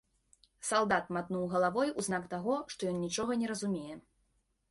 Салдат матнуў галавой у знак таго, што ён нічога не разумее.